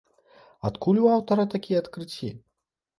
Адкуль у аўтара такія адкрыцці?